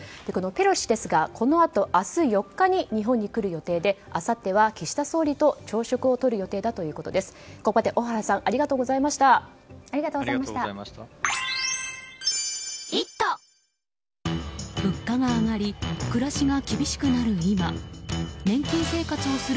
ペロシ氏ですがこのあと明日４日に日本に来る予定ですがあさっては岸田総理と朝食をとる予定だということです。